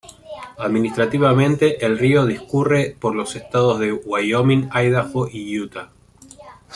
Administrativamente, el río discurre por los estados de Wyoming, Idaho y Utah.